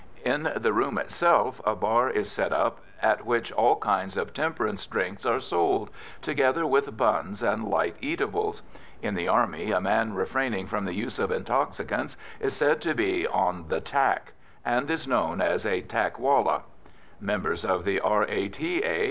In the room itself a bar is set up at which all kinds of temperance drinks are sold, together with buns and light eatables. In the Army, a man refraining from the use of intoxicants is said to be "on the tack," and is known as a "tack wallah." Members of the R.A.T.A.